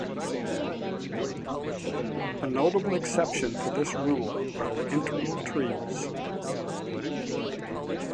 A notable exception to this rule are the Integral Trees.